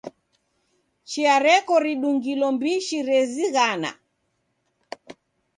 Chia reko ridungilo mbishi rezighana.